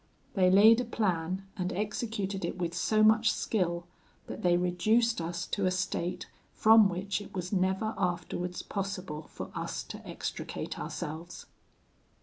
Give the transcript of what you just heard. They laid a plan, and executed it with so much skill, that they reduced us to a state from which it was never afterwards possible for us to extricate ourselves.